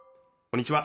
こんにちは